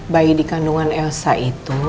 bayi dikandungan elsa itu